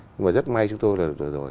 nhưng mà rất may chúng tôi là rồi rồi